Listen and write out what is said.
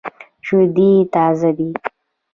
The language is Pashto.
شودې تازه دي.